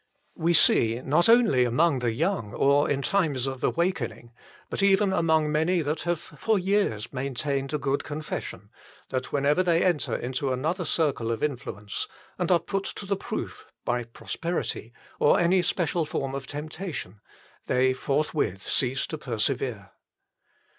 We see, not only among the young or in times of awakening, but even among many that have for years maintained a good confession, that whenever they enter into another circle of influence, and are put to the proof by prosperity or any special form of temptation, they forthwith cease to persevere.